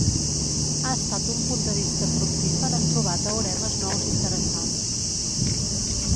Ha estat un punt de vista fructífer en trobar teoremes nous interessants.